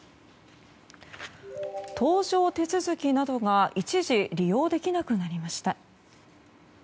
搭乗手続きなどが一時、利用できなくなりました。